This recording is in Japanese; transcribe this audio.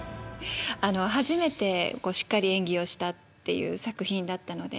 初めてしっかり演技をしたっていう作品だったので。